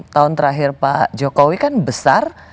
tahun terakhir pak jokowi kan besar